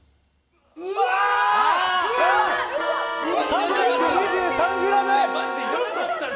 ３２３ｇ！